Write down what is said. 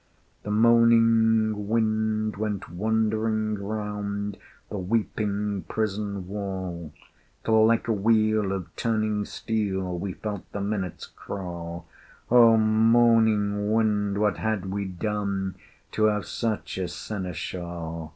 The moaning wind went wandering round The weeping prison wall: Till like a wheel of turning steel We felt the minutes crawl: O moaning wind! what had we done To have such a seneschal?